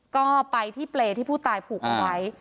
ก็ไปที่เปรย์ที่ผู้ตายผูกเอาไว้